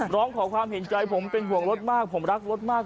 ร้องขอความเห็นใจผมเป็นห่วงรถมากผมรักรถมาก